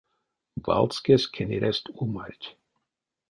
Валскес кенерест умарть.